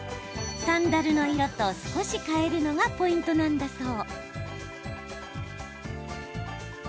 サンダルの色と少し変えるのがポイントなんだそう。